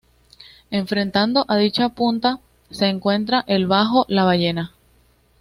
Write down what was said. Enfrentando a dicha punta se encuentra el bajo La Ballena.